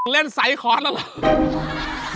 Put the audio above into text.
เล่นไซซ์คอร์สแล้วเหรอ